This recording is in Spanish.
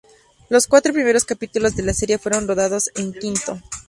Los cuatro primeros capítulos de la serie fueron rodados en Quito.